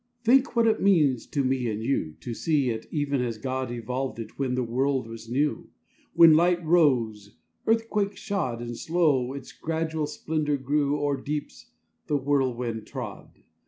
Think what it means to me and you To see it even as God Evolved it when the world was new! When Light rose, earthquake shod, And slow its gradual splendor grew O'er deeps the whirlwind trod.